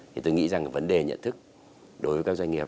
thì tôi nghĩ rằng vấn đề nhận thức đối với các doanh nghiệp